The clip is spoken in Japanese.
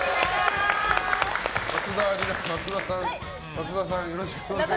松田さん、よろしくお願いします。